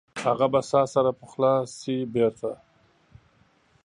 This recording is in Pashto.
هغه به ساه سره پخلا شي بیرته؟